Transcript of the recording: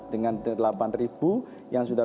dengan delapan ribu yang sudah